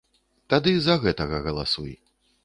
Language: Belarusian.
Тады за гэтага галасуй.